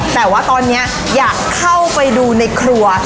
แต่ว่าตอนนี้อยากเข้าไปดูในครัว